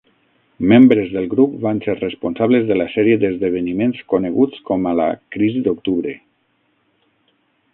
Membres del grup van ser responsables de la sèrie d'esdeveniments coneguts com a la Crisi d'Octubre.